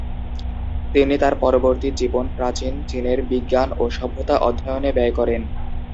তিনি তার পরবর্তী জীবন প্রাচীন চীনের বিজ্ঞান ও সভ্যতা অধ্যয়নে ব্যয় করেন।